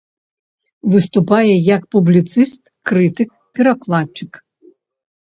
Выступае як публіцыст, крытык, перакладчык.